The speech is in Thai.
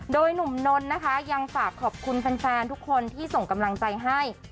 โดยหนุ่มนนท์นะคะยังฝากขอบคุณแฟนทุกคนที่ส่งกำลังใจให้